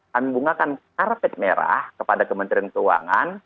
kami bungakan karpet merah kepada kementerian keuangan